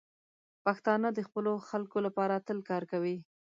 پښتانه د خپلو خلکو لپاره تل کار کوي.